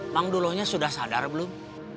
mangdulonya sudah sadar belum